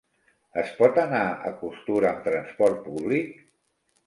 Es pot anar a Costur amb transport públic?